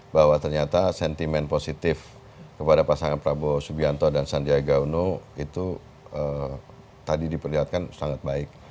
bahwa ternyata sentimen positif kepada pasangan prabowo subianto dan sandiaga uno itu tadi diperlihatkan sangat baik